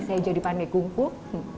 saya jadi pandai gungkuk